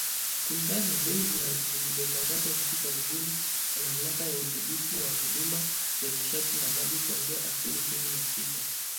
Kulingana na bei zilizotangazwa hivi karibuni na Mamlaka ya Udhibiti wa Huduma za Nishati na Maji kuanzia Aprili kumi na sita